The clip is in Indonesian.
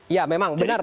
ya memang benar